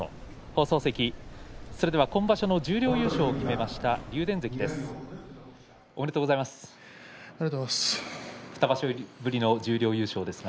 今場所十両優勝を決めた竜電関です。